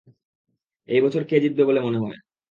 এই বছর কে জিতবে বলে মনে হয়?